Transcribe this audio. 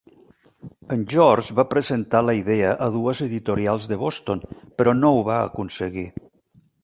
En George va presentar la idea a dues editorials de Boston, però no ho va aconseguir.